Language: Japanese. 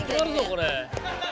これ。